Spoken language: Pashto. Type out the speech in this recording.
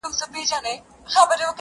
o چي هوس و، نو دي بس و!